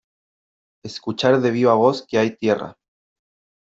escuchar de viva voz que hay tierra ,